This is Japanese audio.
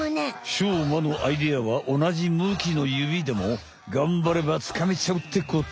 しょうまのアイデアはおなじむきのゆびでもがんばればつかめちゃうってこと。